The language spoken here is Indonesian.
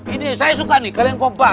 ini saya suka nih kalian kompak